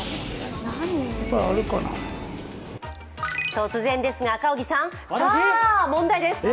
突然ですが赤荻さん、さあ、問題です。